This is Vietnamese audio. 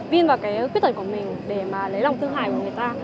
vin vào cái quyết tật của mình để mà lấy lòng tư hại của người ta